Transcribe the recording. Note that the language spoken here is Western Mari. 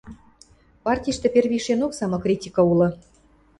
Партиштӹ первишенок самокритика улы.